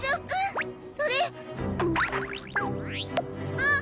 あっ！